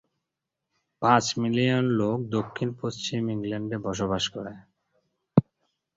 পাঁচ মিলিয়ন লোক দক্ষিণ পশ্চিম ইংল্যান্ডে বসবাস করে।